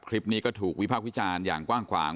คลิปนี้ก็ถูกวิพากษ์วิจารณ์อย่างกว้างขวาง